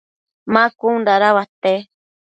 ma cun dada uate ?